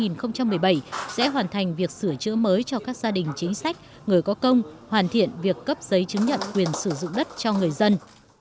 năm hai nghìn một mươi bảy sẽ hoàn thành việc sửa chữa mới cho các gia đình chính sách người có công hoàn thiện việc cấp giấy chứng nhận quyền sử dụng đất cho người dân